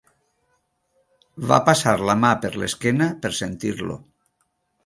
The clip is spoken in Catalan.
Va passar la mà per l'esquena per sentir-lo.